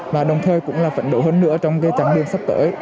và đồng thời cũng là phận đấu hơn nữa trong trang đường sắp tới